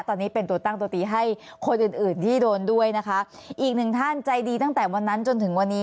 ตอนนี้เป็นตัวตั้งตัวตีให้คนอื่นอื่นที่โดนด้วยนะคะอีกหนึ่งท่านใจดีตั้งแต่วันนั้นจนถึงวันนี้